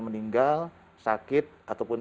meninggal sakit ataupun